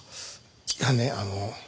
いやねあの。